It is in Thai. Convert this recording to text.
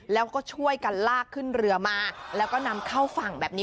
แล้วก็ช่วยกันลากขึ้นเรือมาแล้วก็นำเข้าฝั่งแบบนี้